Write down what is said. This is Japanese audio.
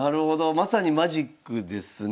まさにマジックですね。